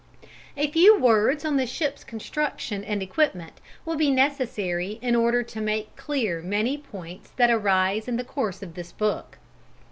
A few words on the ship's construction and equipment will be necessary in order to make clear many points that arise in the course of this book.